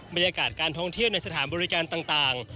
บรรยากาศการท่องเที่ยวในสถานบริการต่าง